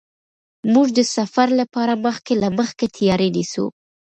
موږ د سفر لپاره مخکې له مخکې تیاری نیسو.